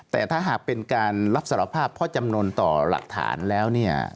แต่ถ้าหากเป็นการรับสารภาพเพราะจำนวนต่อหลักฐานแล้วเนี่ย